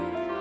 aku juga mau